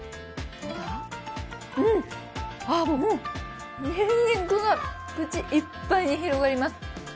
うんうん、にんにくが口いっぱいに広がります。